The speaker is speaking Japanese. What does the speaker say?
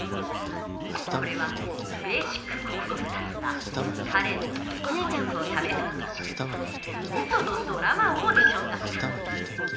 これは「ベーシック国語」スタッフがカレンの国語力を試そうと仕組んだウソのドラマオーディションだった。